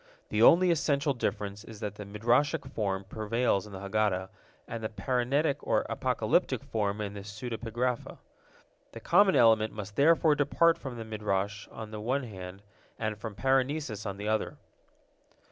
The only essential difference is that the Midrashic form prevails in the Haggadah, and the parenetic or apocalyptic form in the pseudepigrapha. The common element must therefore depart from the Midrash on the one hand and from parenesis on the other.